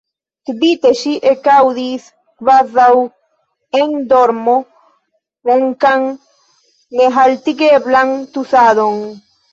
Subite ŝi ekaŭdis kvazaŭ en dormo ronkan, nehaltigeblan tusadon.